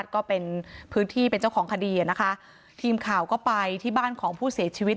ก็เป็นพื้นที่เป็นเจ้าของคดีอ่ะนะคะทีมข่าวก็ไปที่บ้านของผู้เสียชีวิต